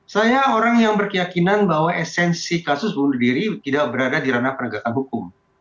saya orang yang berkeyakinan bahwa esensi kasus bunuh diri tidak berada di ranah penegakan hukum